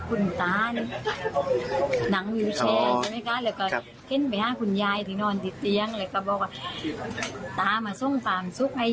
อืม